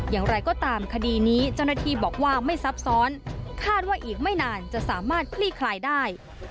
อย่างไรก็ตามคดีนี้เจ้าหน้าที่บอกว่าไม่ซับซ้อนคาดว่าอีกไม่นานจะสามารถคลี่คลายได้